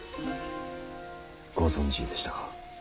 ご存じでしたか。